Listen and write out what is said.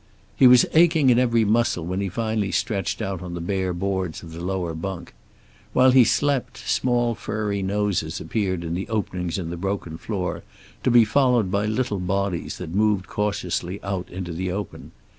He was aching in every muscle when he finally stretched out on the bare boards of the lower bunk. While he slept small furry noses appeared in the openings in the broken floor, to be followed by little bodies that moved cautiously out into the open.